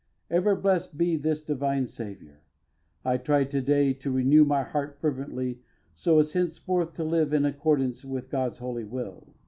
Ever blessed be this divine Saviour. I tried to day to renew my heart fervently so as henceforth to live in accordance with God's holy will.